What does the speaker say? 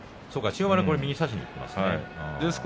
千代丸は右差しにいっていますね。